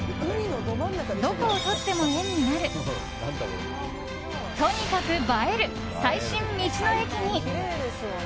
どこを撮っても絵になるとにかく映える最新道の駅に。